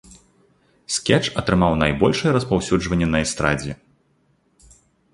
Скетч атрымаў найбольшае распаўсюджванне на эстрадзе.